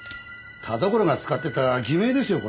田所が使ってた偽名ですよ